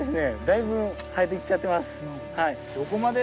だいぶ生えてきちゃっています。